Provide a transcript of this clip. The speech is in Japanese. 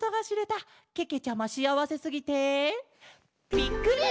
ぴっくり！